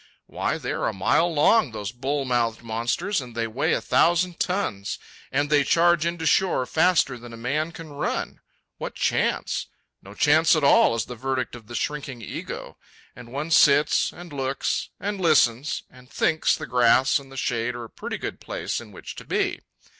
Why, they are a mile long, these bull mouthed monsters, and they weigh a thousand tons, and they charge in to shore faster than a man can run. What chance? No chance at all, is the verdict of the shrinking ego; and one sits, and looks, and listens, and thinks the grass and the shade are a pretty good place in which to be.